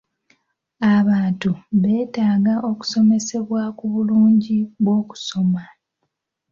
Abantu beetaga okusomesebwa ku bulungi bw'okusoma.